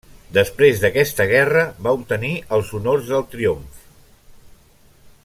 Després d'aquesta guerra va obtenir els honors del triomf.